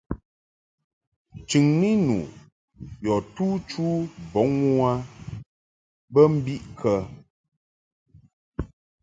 Chɨŋni nu yɔ tu chu bɔŋ u a bə mbiʼ kə ?